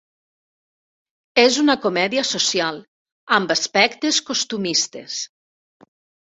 És una comèdia social, amb aspectes costumistes.